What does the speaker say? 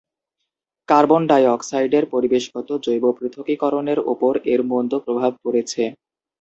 Carbon ডাই-অক্সাইডের পরিবেশগত জৈব পৃথকীকরণের ওপর এর মন্দ প্রভাব পড়েছে।